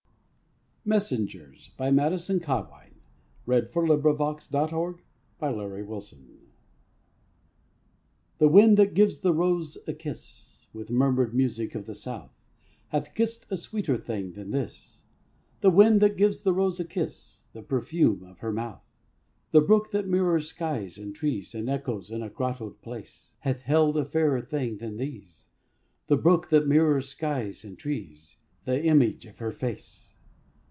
n Heaven, upon her eyes Once gazed the eyes of God. MESSENGERS The wind, that gives the rose a kiss, With murmured music of the south, Hath kissed a sweeter thing than this; The wind, that gives the rose a kiss, Hath kissed the red rose of her mouth. The brook, that mirrors skies and trees, And echoes in a grottoed place, Hath held a fairer thing than these; The brook, that mirrors skies and trees, Hath held the image of her face.